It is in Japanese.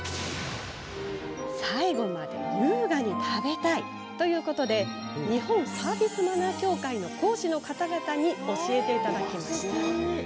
最後まで優雅に食べたい！ということで日本サービスマナー協会の講師の方々に教えてもらいました。